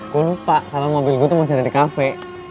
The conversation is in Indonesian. gua lupa sama mobil gua tuh masih ada di cafe